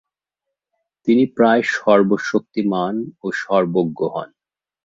তিনি প্রায় সর্বশক্তিমান ও সর্বজ্ঞ হন।